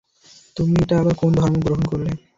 তুমি এটা আবার কোন ধর্ম গ্রহণ করলে?